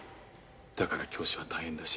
だから教師は大変だし。